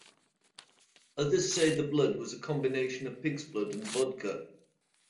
Others say the blood was a combination of pig's blood and vodka.